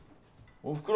・おふくろ！